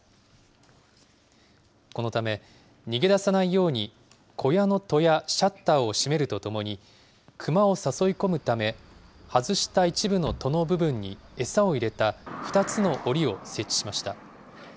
このため、逃げ出さないように、小屋の戸やシャッターを閉めるとともに、クマを誘い込むため、外した一部の戸の部分に餌を入れた２つのおりを設置しました。